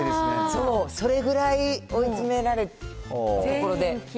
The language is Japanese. そう、それぐらい追い詰められたところで。